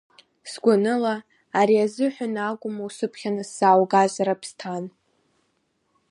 Сгәанала, ари азыҳәан акәым усыԥхьаны сзааугаз, Раԥсҭан.